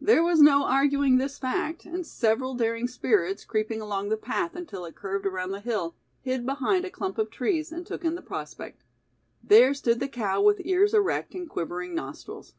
There was no arguing this fact, and several daring spirits, creeping along the path until it curved around the hill, hid behind a clump of trees and took in the prospect. There stood the cow with ears erect and quivering nostrils.